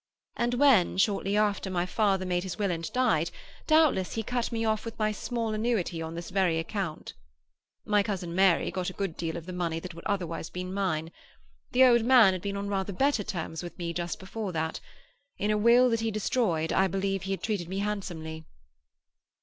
And when, shortly after, my father made his will and died, doubtless he cut me off with my small annuity on this very account. My cousin Mary got a good deal of the money that would otherwise have been mine. The old man had been on rather better terms with me just before that; in a will that he destroyed I believe he had treated me handsomely."